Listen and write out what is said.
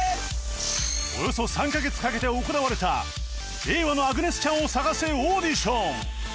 およそ３カ月かけて行われた令和のアグネス・チャンを探せオーディション